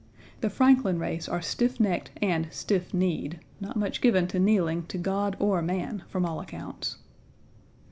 The Franklin race are stiff necked and stiff kneed; not much given to kneeling to God or man from all accounts.